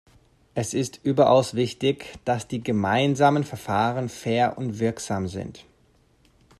Es ist überaus wichtig, dass die gemeinsamen Verfahren fair und wirksam sind.